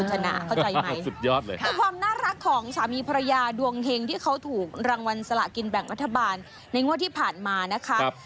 ชนะเข้าใจไหมสุดยอดเลยค่ะคือความน่ารักของสามีภรรยาดวงเฮงที่เขาถูกรางวัลสละกินแบ่งรัฐบาลในงวดที่ผ่านมานะคะ